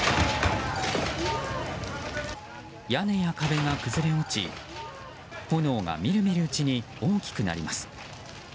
屋根や壁が崩れ落ち炎が見る見るうちに大きくなります。